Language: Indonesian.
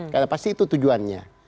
karena pasti itu tujuannya